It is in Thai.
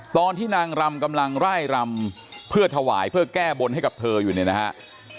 ตอนที่นางรำกำลังไล่รำเพื่อถวายเพื่อแก้บนให้กับเธออยู่เนี่ยนะครับ